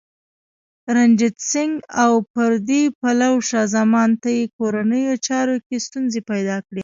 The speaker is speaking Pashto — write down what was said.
رنجیت سنګ او پردي پلوو شاه زمان ته کورنیو چارو کې ستونزې پیدا کړې.